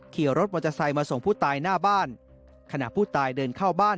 ขี่รถมอเตอร์ไซค์มาส่งผู้ตายหน้าบ้านขณะผู้ตายเดินเข้าบ้าน